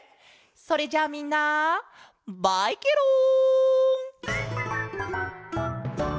それじゃみんなバイケロン！